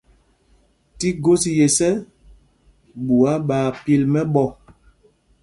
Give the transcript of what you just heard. Tí gos yes ɛ, ɓuá ɓaa pil mɛ́ɓɔ́.